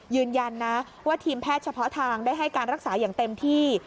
ยืนยันนะว่าทีมแพทย์เฉพาะทางได้ให้การรักษาอย่างเต็มที่